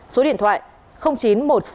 số điện thoại chín một sáu bảy bảy bảy bảy sáu bảy